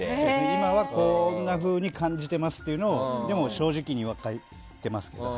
今はこんなふうに感じてますっていうのをでも、正直には書いています。